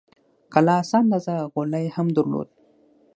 کلا څه اندازه غولی هم درلود.